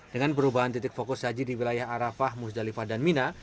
dengan perubahan titik fokus haji di wilayah arafah musdalifah dan mina